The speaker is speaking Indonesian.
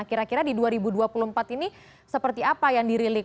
kira kira di dua ribu dua puluh empat ini seperti apa yang dirilik